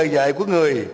những lời dạy của người